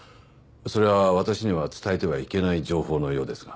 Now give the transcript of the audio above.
それは私には伝えてはいけない情報のようですが。